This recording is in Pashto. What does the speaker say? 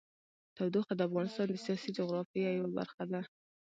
تودوخه د افغانستان د سیاسي جغرافیه یوه برخه ده.